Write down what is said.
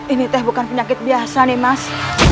ini teh bukan penyakit biasa nemas